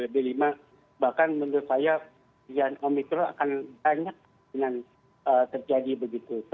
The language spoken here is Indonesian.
bahkan menurut saya omikron akan banyak dengan terjadi begitu